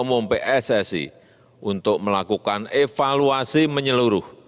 ketua umum pssi untuk melakukan evaluasi menyeluruh